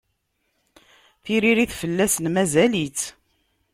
Tiririt fell-asen mazal-itt